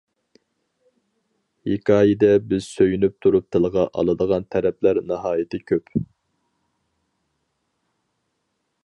ھېكايىدە بىز سۆيۈنۈپ تۇرۇپ تىلغا ئالىدىغان تەرەپلەر ناھايىتى كۆپ.